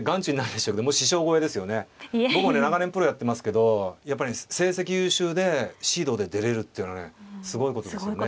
僕もね長年プロやってますけど成績優秀でシードで出れるっていうのはねすごいことですね。